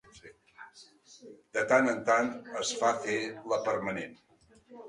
De tant en tant es fa fer la permanent.